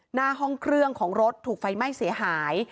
หน้าห้องเครื่องของรถถูกไฟไหม้เสียหาย